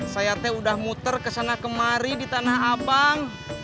saya teh udah muter kesana kemari di tanah abang